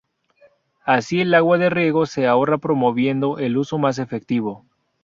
Así el agua de riego se ahorra promoviendo el uso más efectivo.